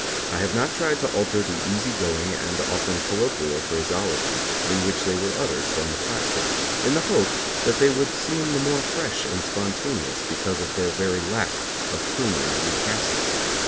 I have not tried to alter the easy going and often colloquial phraseology in which they were uttered from the platform, in the hope that they would seem the more fresh and spontaneous because of their very lack of pruning and recasting.